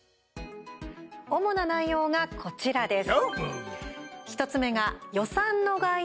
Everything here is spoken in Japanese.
主な内容が、こちらです。